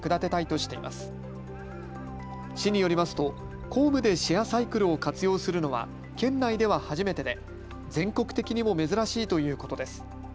市によりますと公務でシェアサイクルを活用するのは県内では初めてで全国的にも珍しいということです。